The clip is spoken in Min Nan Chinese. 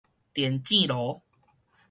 電糋爐